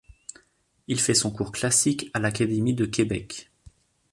Il fait son cours classique à l'Académie de Québec.